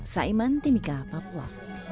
saiman timika papua